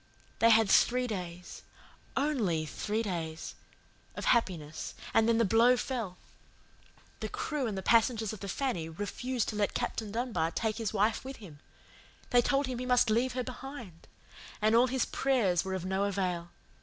They had three days ONLY three days of happiness, and then the blow fell. The crew and the passengers of the Fanny refused to let Captain Dunbar take his wife with him. They told him he must leave her behind. And all his prayers were of no avail.